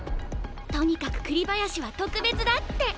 とにかく栗林は特別だって。